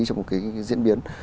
trong một cái diễn biến